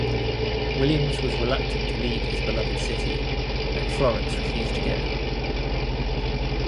Williams was reluctant to leave his beloved city, and Florence refused to go.